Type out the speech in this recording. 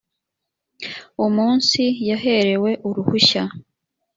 umunsi yaherewe uruhushya